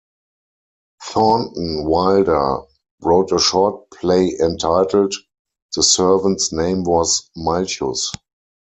Thornton Wilder wrote a short play entitled, "The Servant's Name Was Malchus".